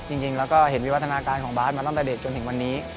จริงแล้วก็เห็นวิวัฒนาการของบาสมาตั้งแต่เด็กจนถึงวันนี้